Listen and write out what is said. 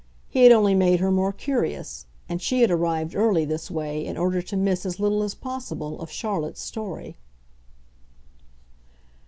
He had only made her more curious, and she had arrived early, this way, in order to miss as little as possible of Charlotte's story.